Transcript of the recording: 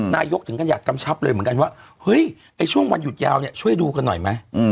นายกถึงกันอยากกำชับเลยเหมือนกันว่าเฮ้ยไอ้ช่วงวันหยุดยาวเนี่ยช่วยดูกันหน่อยไหม